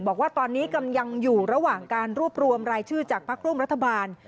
บอกว่าตอนนี้กำลังอยู่ระหว่างการรวบรวมรายชื่อจากพักร่วมรัฐบาล